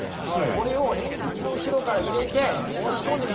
これを鉛筆の後ろから入れて押し込んでみてください。